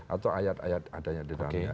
atau ayat ayat yang ada di dalamnya